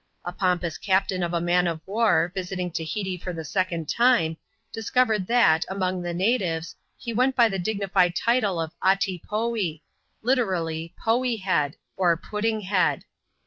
A pompous captain of a man of war, visiting Tahiti for the S0cond time, discovered that, among the native6,^he went by the dignified title of " Atee Foee" — literally, Poee Head, or Pud ding Head.